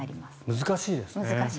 難しいですね。